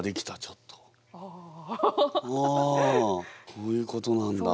こういうことなんだ。